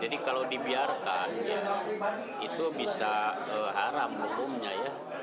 jadi kalau dibiarkan ya itu bisa haram umumnya ya